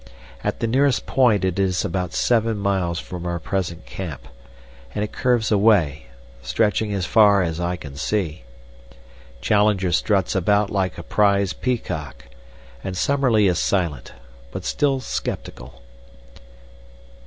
At the nearest point it is about seven miles from our present camp, and it curves away, stretching as far as I can see. Challenger struts about like a prize peacock, and Summerlee is silent, but still sceptical.